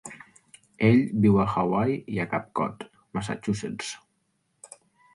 Ell viu a Hawaii i a Cap Cod, Massachusetts.